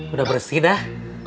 udah bersih dah